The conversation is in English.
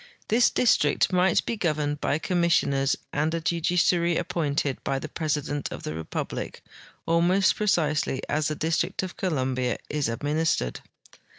This district might be governed by commissioners and a judiciary appointed by the president of the republic, almost precisely as the District of Columbia is administered.